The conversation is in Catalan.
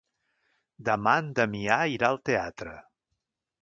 Demà en Damià irà al teatre.